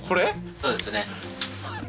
そうですね。